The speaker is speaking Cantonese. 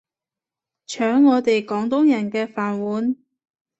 搶我哋廣東人嘅飯碗